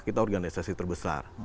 kita organisasi terbesar